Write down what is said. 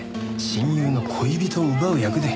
親友の恋人を奪う役で。